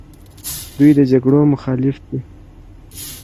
دوی د جګړو مخالف دي.